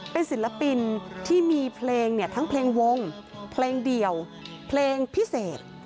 เป็นศิลปินที่มีเพลงเนี่ยทั้งเพลงวงเพลงเดี่ยวเพลงพิเศษ